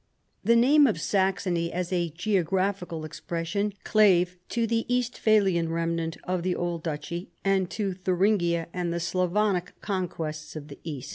The name of/ Saxony as a geographical expression clave to the Eastphalian remnant of the old duchy, and to Thu ringia and the Slavonic conquests to the East."